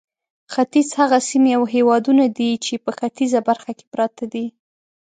ختیځ هغه سیمې او هېوادونه دي چې په ختیځه برخه کې پراته دي.